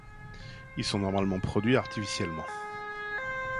Ils sont normalement produits artificiellement.